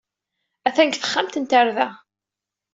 Atan deg texxamt n tarda.